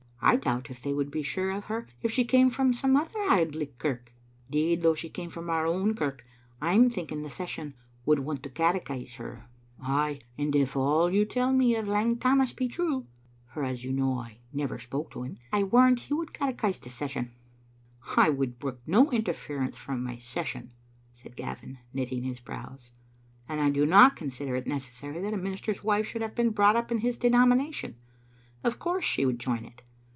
I doubt if they would be sure of her if she came from some other Auld Licht kirk. 'Deed, though she came from our own kirk, I'm thinking the session would want to catechise her. Ay, and if all you tell me of Lang Tammas be true (for, as you know, I never spoke to him), I warrant he would catechise the session." "I would brook no interference from my session," said Gavin, knitting his brows, " and I do not consider it necessary that a minister's wife should have been brought up in his denomination. Of course she would join it.